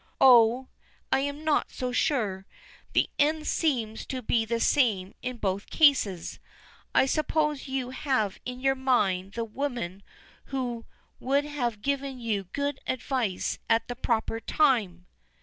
"Oh, I am not so sure. The end seems to be the same in both cases. I suppose you have in your mind the woman who would have given you good advice at the proper time."